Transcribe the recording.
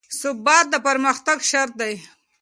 ثبات د پرمختګ شرط دی